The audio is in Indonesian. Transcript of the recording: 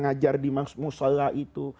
ngajar di musalla itu